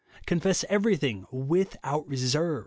Con fess everything without reserve.